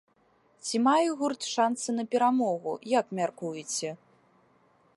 Ці мае гурт шанцы на перамогу, як мяркуеце?